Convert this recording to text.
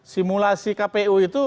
simulasi kpu itu